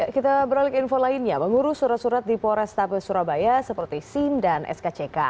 kita beralih ke info lainnya mengurus surat surat di polrestabes surabaya seperti sim dan skck